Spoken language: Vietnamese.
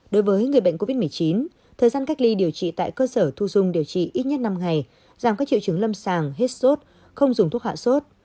đối với người bệnh covid một mươi chín thời gian cách ly điều trị tại cơ sở thu dung điều trị ít nhất năm ngày giảm các triệu chứng lâm sàng hết sốt không dùng thuốc hạ sốt